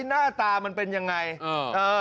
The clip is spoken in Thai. หน้าตามันเป็นยังไง